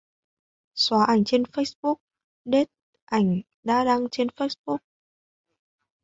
Xoá ảnh trên Facebook, delete ảnh đã đăng trên Facebook